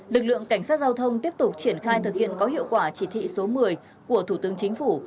lực lượng cảnh sát giao thông tiếp tục triển khai thực hiện có hiệu quả chỉ thị số một mươi của thủ tướng chính phủ